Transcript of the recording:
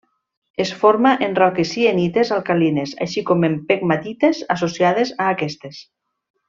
Es forma en roques sienites alcalines, així com en pegmatites associades a aquestes.